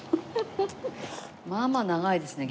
まあまあ長いですね